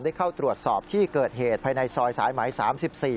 เข้าตรวจสอบที่เกิดเหตุภายในซอยสายไหม๓๔